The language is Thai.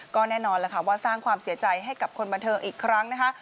ก็แน่นอนแล้วค่ะว่าสร้างความเสียใจให้กับคนบันเทิงอีกครั้งนะคะ